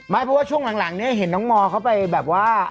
เพราะว่าช่วงหลังเนี่ยเห็นน้องมอเขาไปแบบว่า